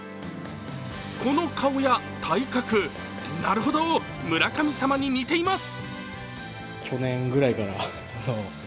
この顔や体格、なるほど村神様に似ています。